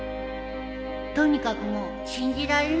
とにかくもう信じられないよ。